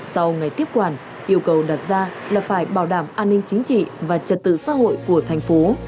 sau ngày tiếp quản yêu cầu đặt ra là phải bảo đảm an ninh chính trị và trật tự xã hội của thành phố